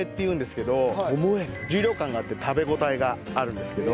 重量感があって食べ応えがあるんですけど。